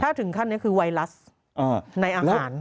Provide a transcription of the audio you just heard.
ถ้าถึงขั้นนี้คือไวรัสในอาหาร